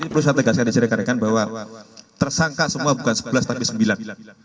perusahaan tegaskan di ciri kirikan bahwa tersangka semua bukan sebelas tapi sembilan